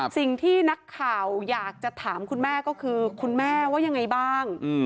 สิ่งที่นักข่าวอยากจะถามคุณแม่ก็คือคุณแม่ว่ายังไงบ้าง